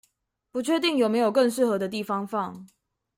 不確定有沒有更適合的地方放